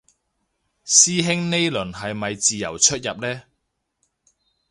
師兄呢輪係咪自由出入嘞